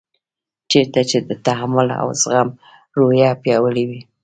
چېرته چې د تحمل او زغم روحیه پیاوړې وي.